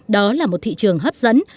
đó là một thị trường hấp dẫn